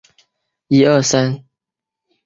某些量子霍尔态似乎拥有适用于的性质。